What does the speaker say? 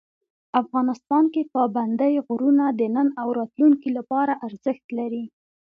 افغانستان کې پابندی غرونه د نن او راتلونکي لپاره ارزښت لري.